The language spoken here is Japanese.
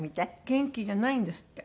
元気じゃないんですって。